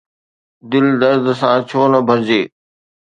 دل درد سان ڇو نه ڀرجي؟